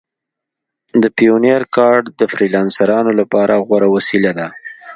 د پیونیر کارډ د فریلانسرانو لپاره غوره وسیله ده.